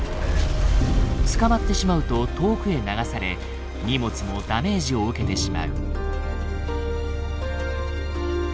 捕まってしまうと遠くへ流され荷物もダメージを受けてしまう。